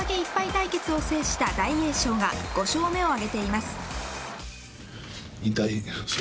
対決を制した大栄翔が５勝目をあげています。